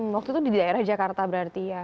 waktu itu di daerah jakarta berarti ya